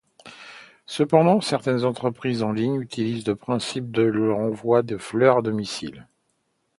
Cependant, certaines entreprises en ligne utilisent le principe de l’envoi de fleurs à domicile.